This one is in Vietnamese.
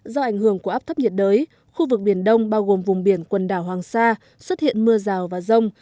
do ảnh hưởng của áp thấp nhiệt đới khu vực biển đông bao gồm vùng biển quần đảo hoàng sa xuất hiện mưa rào và rông